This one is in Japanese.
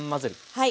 はい。